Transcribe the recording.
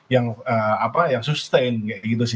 yang apa yang sustain gitu sih